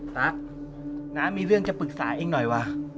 นะน้ามีเรื่องจะปรึกษาเองหน่อยวะ